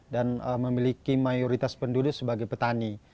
dan memiliki mayoritas penduduk sebagai petani